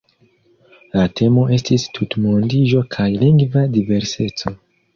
La temo estis "Tutmondiĝo kaj lingva diverseco.